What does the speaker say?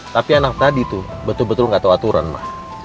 tapi anak tadi tuh betul betul gak tau aturan ma